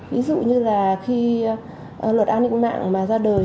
ví dụ như là khi luật an ninh mạng mà ra đời